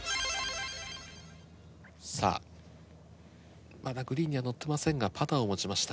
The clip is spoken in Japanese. さあまだグリーンには乗ってませんがパターを持ちました。